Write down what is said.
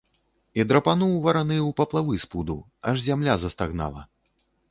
І драпануў вараны ў паплавы з пуду, аж зямля застагнала.